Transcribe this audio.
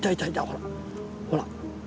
ほらほら。